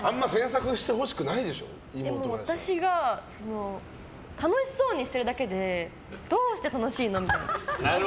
あんまでも、私が楽しそうにしてるだけでどうして楽しいの？みたいな。